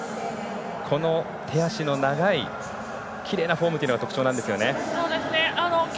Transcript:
この手足の長いきれいなフォームというのが特徴なんですよね。